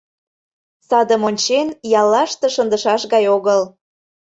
Садым ончен, яллаште шындышаш гай огыл.